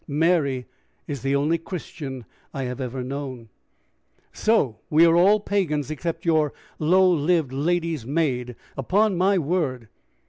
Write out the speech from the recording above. Mary is the only Christian I have ever known." "So we are all pagans, except your low lived lady's maid! Upon my word!"